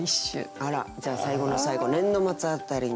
あらっじゃあ最後の最後年度末辺りに。